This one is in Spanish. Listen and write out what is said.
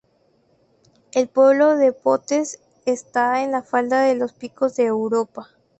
El pueblo de Potes está en la falda de los Picos de Europa